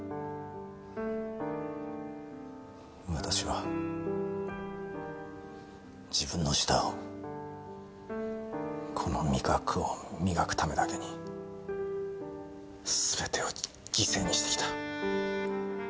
私は自分の舌をこの味覚を磨くためだけにすべてを犠牲にしてきた。